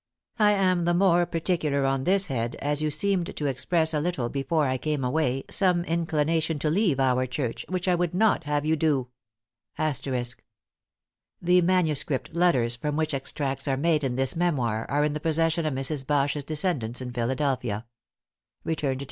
I am the more particular on this head, as you seemed to express a little before I came away some inclination to leave our church, which I would not have you do." The manuscript letters from which extracts are made in this memoir, are in the possession of Mrs. Bache's descendants in Philadelphia.